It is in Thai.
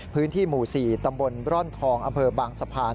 พื้นที่หมู่๔ตำบลร่อนทองอำเภอบางสะพาน